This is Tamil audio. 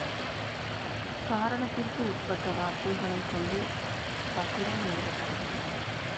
காரணத்திற்கு உட்பட்ட வார்த்தைகளைக் கொண்டு பத்திரம் எழுதப்படவேண்டும்.